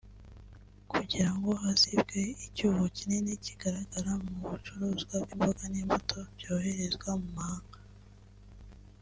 kugira ngo hazibwe icyuho kinini kigaragara mu bicuruzwa by’imboga n’imbuto byoherezwa mu mahanga